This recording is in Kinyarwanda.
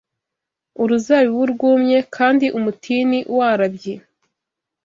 Uruzabibu rwumye kandi umutini warabye